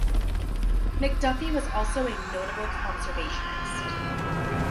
McDuffie was also a notable conservationist.